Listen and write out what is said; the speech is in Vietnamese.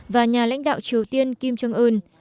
và nhà lãnh đạo triều tiên kim jong un